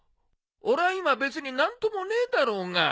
俺は今別に何ともねえだろうが。